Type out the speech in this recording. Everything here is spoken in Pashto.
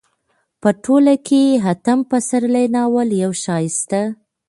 په ټوله کې اتم پسرلی ناول يو ښايسته